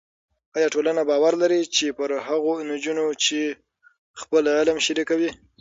ایا ټولنه باور لري پر هغو نجونو چې خپل علم شریکوي؟